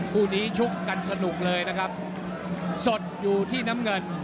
คู่นี้ชุกกันสนุกเลยนะครับสดอยู่ที่น้ำเงิน